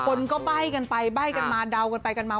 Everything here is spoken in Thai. คนก็ใบ้กันมาดาวกันมา